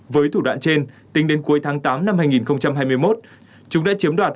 với thủ đoạn trên tính đến cuối tháng tám năm hai nghìn hai mươi một chúng đã chiếm đoạt